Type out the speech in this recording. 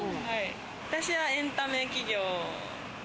私はエンタメ企業。